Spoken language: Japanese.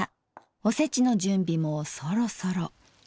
おせちの準備もそろそろ。